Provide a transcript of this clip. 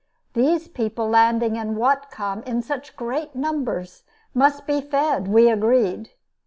These people landing in Whatcom in such great numbers must be fed, we agreed.